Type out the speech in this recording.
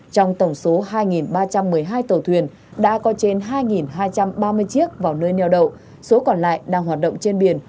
trong tổng số hai ba trăm một mươi hai tàu thuyền đã có trên hai hai trăm ba mươi chiếc vào nơi neo đậu số còn lại đang hoạt động trên biển